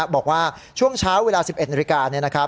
บอกว่าช่วงเช้าเวลา๑๑อนนี่นะครับ